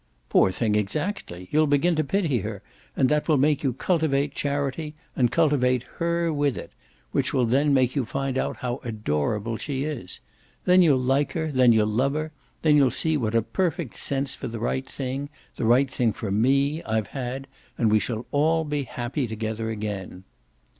"Poor thing exactly! You'll begin to pity her, and that will make you cultivate charity, and cultivate HER WITH it; which will then make you find out how adorable she is. Then you'll like her, then you'll love her, then you'll see what a perfect sense for the right thing, the right thing for ME, I've had, and we shall all be happy together again."